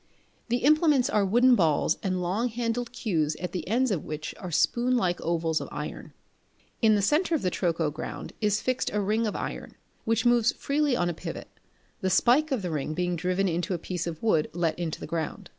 The implements are wooden balls and long handled cues at the ends of which are spoonlike ovals of iron. In the centre of the Troco ground is fixed a ring of iron, which moves freely on a pivot, the spike of the ring being driven into a piece of wood let into the ground.